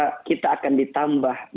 maka kita akan ditambahkan